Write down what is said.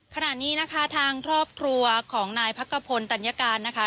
ขณะนี้นะคะทางครอบครัวของนายพักกระพลตัญญาการนะคะ